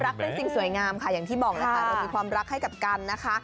เป็นสิ่งสวยงามค่ะอย่างที่บอกนะคะเรามีความรักให้กับกันนะคะ